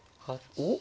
おっ。